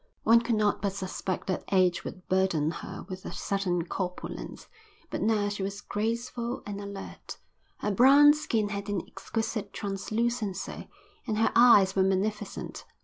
One could not but suspect that age would burden her with a certain corpulence, but now she was graceful and alert. Her brown skin had an exquisite translucency and her eyes were magnificent.